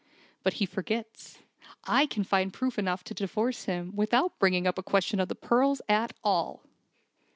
But he forgets. I can find proof enough to divorce him, without bringing up a question of the pearls at all."